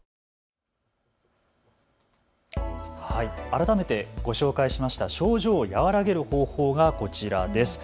改めてご紹介しました症状を和らげる方法がこちらです。